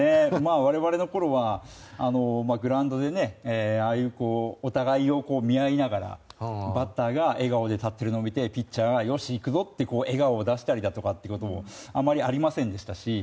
我々のころはグラウンドでああいうお互いを見合いながらバッターが笑顔で立ってるのを見てピッチャーがよしいくぞと笑顔を出したりだとかがあまりありませんでしたし。